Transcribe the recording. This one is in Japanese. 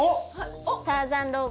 ターザンロープ。